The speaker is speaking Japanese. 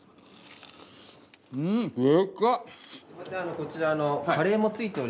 こちら。